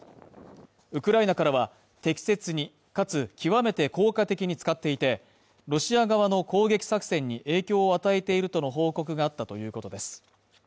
ウクライナからは、適切にかつ極めて効果的に使っていて、ロシア側の攻撃作戦に影響を与えているとの報告があったということです。